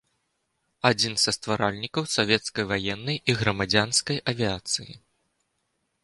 Адзін са стваральнікаў савецкай ваеннай і грамадзянскай авіяцыі.